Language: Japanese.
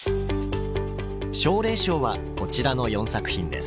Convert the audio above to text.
奨励賞はこちらの４作品です。